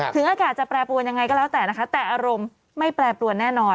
อากาศจะแปรปรวนยังไงก็แล้วแต่นะคะแต่อารมณ์ไม่แปรปรวนแน่นอน